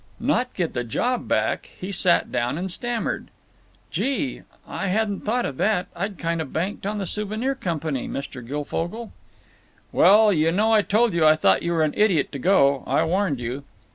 Not get the job back? He sat down and stammered: "Gee! I hadn't thought of that. I'd kind of banked on the Souvenir Company, Mr. Guilfogle." "Well, you know I told you I thought you were an idiot to go. I warned you."